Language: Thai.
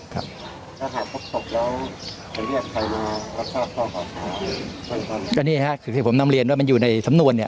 ก็นี่ครับผมนำเรียนว่ามันอยู่ในสำนวนเนี่ย